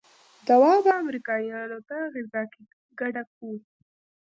دوا به امريکايانو ته غذا کې ګډه کو.